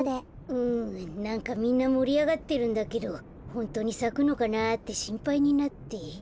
うんなんかみんなもりあがってるんだけど「ホントにさくのかなあ」ってしんぱいになって。